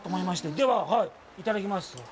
では、いただきます。